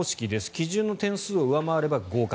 基準の点数を上回れば合格。